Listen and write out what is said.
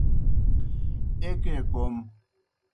ایْکے کوْم۔